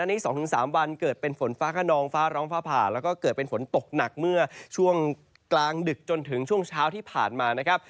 อันนี้๒๓วันเกิดเป็นฝนฟ้าขนองฟ้าร้องฟ้าผ่าแล้วก็เกิดเป็นฝนตกหนักเมื่อช่วงกลางดึกจนถึงช่วงเช้าที่ผ่านมานะครับ